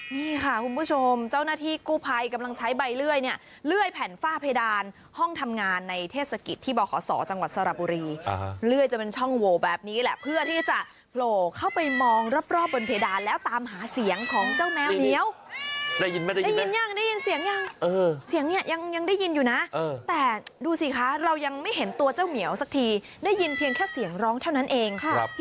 นี่ค่ะคุณผู้ชมเจ้าหน้าที่กูภัยกำลังใช้ใบเลื่อยเนี่ยเลื่อยแผ่นฝ้าเพดานห้องทำงานในเทศกิจที่บ่อขอสอจังหวัดสระบุรีเลื่อยจะเป็นช่องโวแบบนี้แหละเพื่อที่จะโผล่เข้าไปมองรอบบนเพดานแล้วตามหาเสียงของเจ้าแมวเหมียวได้ยินมั้ยได้ยินยังได้ยินเสียงยังเสียงเนี่ยยังได้ยินอยู่นะแต่ดูสิคะเรายัง